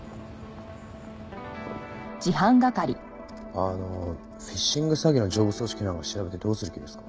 あのフィッシング詐欺の上部組織なんか調べてどうする気ですか？